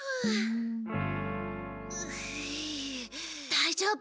大丈夫？